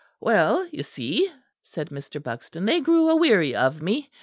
"Well, you see," said Mr. Buxton, "they grew a weary of me.